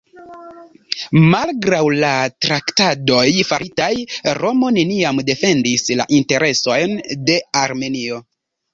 Malgraŭ la traktadoj faritaj, Romo neniam defendis la interesojn de Armenio.